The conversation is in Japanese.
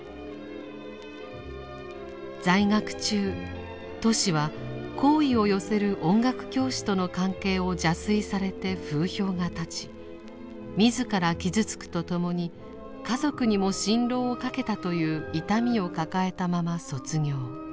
在学中トシは好意を寄せる音楽教師との関係を邪推されて風評が立ち自ら傷つくとともに家族にも心労をかけたという痛みを抱えたまま卒業。